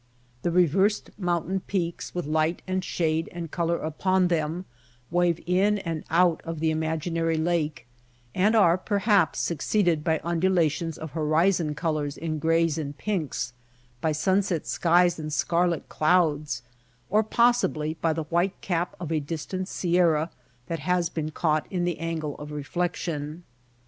The reversed moun tain peaks, with light and shade and color upon them, wave in and out of the imaginary lake, and are perhaps succeeded by undulations of horizon colors in grays and pinks, by sunset skies and scarlet clouds, or possibly by the white cap of a distant sierra that has been caught in the angle of reflection.